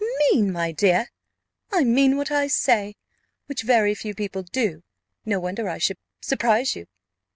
"Mean! my dear I mean what I say, which very few people do: no wonder I should surprise you."